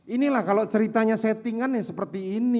inilah kalau ceritanya settingan ya seperti ini